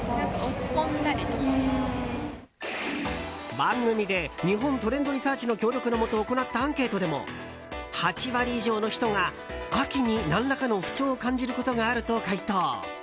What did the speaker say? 番組で日本トレンドリサーチの協力のもと行ったアンケートでも８割以上の人が秋に何らかの不調を感じることがあると回答。